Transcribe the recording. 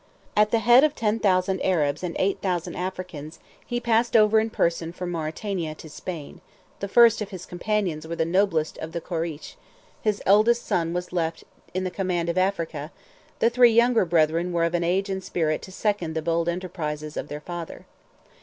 At the head of ten thousand Arabs and eight thousand Africans, he passed over in person from Mauritania to Spain: the first of his companions were the noblest of the Koreish; his eldest son was left in the command of Africa; the three younger brethren were of an age and spirit to second the boldest enterprises of their father.